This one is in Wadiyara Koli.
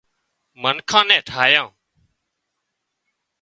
منکان نين ٺاهيان